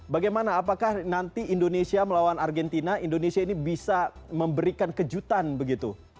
bagaimana apakah nanti indonesia melawan argentina indonesia ini bisa memberikan kejutan begitu